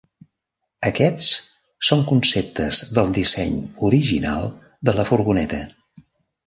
Aquests són conceptes del disseny original de la furgoneta.